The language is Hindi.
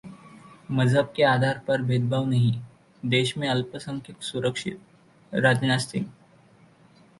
मजहब के आधार पर भेदभाव नहीं, देश में अल्पसंख्यक सुरक्षितः राजनाथ सिंह